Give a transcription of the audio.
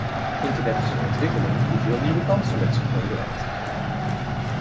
Internet is een ontwikkeling die veel nieuwe kansen met zich mee brengt.